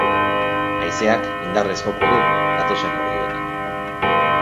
Haizeak indarrez joko du datozen orduetan.